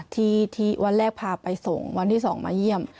ที่วันแรกพาไปส่งวันที่๒มาเยี่ยม